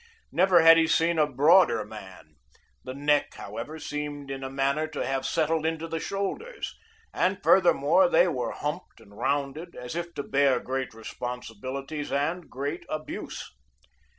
Never had he seen a broader man; the neck, however, seemed in a manner to have settled into the shoulders, and furthermore they were humped and rounded, as if to bear great responsibilities, and great abuse.